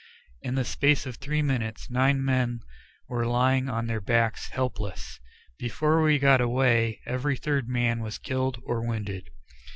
In the space of three minutes nine men were lying on their backs helpless. Before we got away, every third man was killed, or wounded.